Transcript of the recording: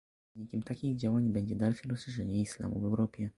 Wynikiem takich działań będzie dalsze rozszerzenie islamu w Europie